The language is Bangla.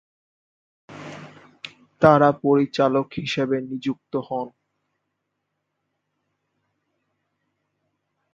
তার পরিচালক হিসেবে নিযুক্ত হন।